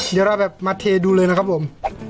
เดี๋ยวเราแบบมาเทดูเลยนะครับผม